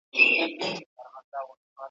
د بې وزلو ږغ پورته کړئ.